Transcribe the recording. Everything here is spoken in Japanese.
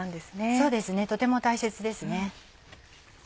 そうですねとても大切ですね。